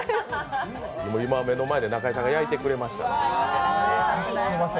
今、目の前で仲居さんが焼いてくれました。